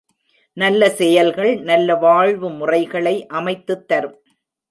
நல்ல செயல்கள் நல்ல வாழ்வு முறைகளை அமைத்துத் தரும்.